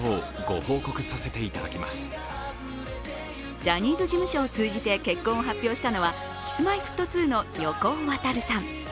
ジャニーズ事務所を通じて結婚を発表したのはＫｉｓ−Ｍｙ−Ｆｔ２の横尾渉さん。